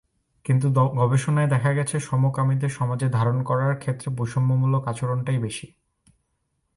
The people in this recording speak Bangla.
কিন্তু গবেষণায় দেখা গেছে, সমকামীদের সমাজে ধারণ করার ক্ষেত্রে বৈষম্যমূলক আচরণটাই বেশি।